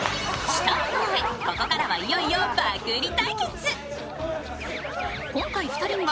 下見を終え、ここからはいよいよ爆売り対決！